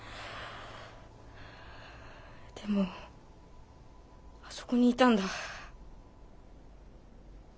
でもあそこにいたんだ。